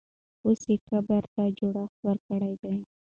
اوس یې قبر ته جوړښت ورکړی دی.